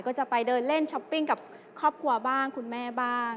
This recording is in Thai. ก็จะไปเดินเล่นช้อปปิ้งกับครอบครัวบ้างคุณแม่บ้าง